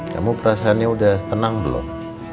kamu perasaannya udah tenang belum